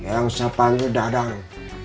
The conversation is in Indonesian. yang siapaan itu dadang